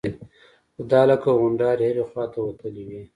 خو دا لکه غونډارې هرې خوا ته وتلي وي.